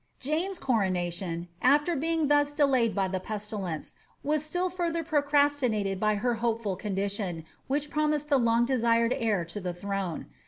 " Jane's coronation, after being thus delayed by the pestilence, was sdl] further procrastinated by her hopeful condition, which promised the long desired heir to the throne.